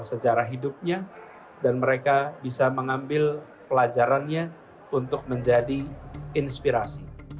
sejarah hidupnya dan mereka bisa mengambil pelajarannya untuk menjadi inspirasi